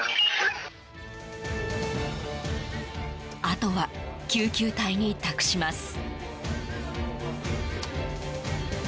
あとは、救急隊に託します。